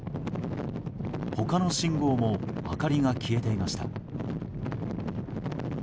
他の信号も明かりが消えていました。